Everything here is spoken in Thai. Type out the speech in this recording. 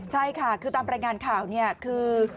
ใช่ค่ะคือตามรายงานข่าวเนี่ยคือ